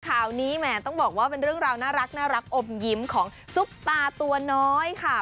ข่าวนี้แหมต้องบอกว่าเป็นเรื่องราวน่ารักอมยิ้มของซุปตาตัวน้อยค่ะ